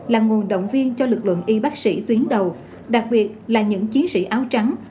là nguồn động viên cho lực lượng y bác sĩ tuyến đầu đặc biệt là những chiến sĩ áo trắng